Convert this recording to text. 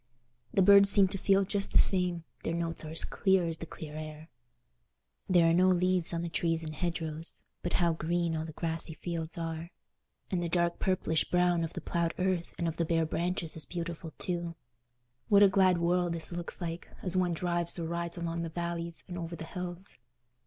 The birds seem to feel just the same: their notes are as clear as the clear air. There are no leaves on the trees and hedgerows, but how green all the grassy fields are! And the dark purplish brown of the ploughed earth and of the bare branches is beautiful too. What a glad world this looks like, as one drives or rides along the valleys and over the hills!